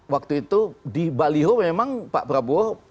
waktu itu di baliho memang pak prabowo